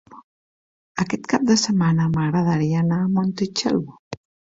Aquest cap de setmana m'agradaria anar a Montitxelvo.